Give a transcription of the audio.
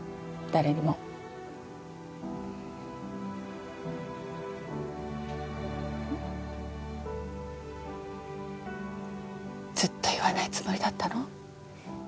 誰にもずっと言わないつもりだったの？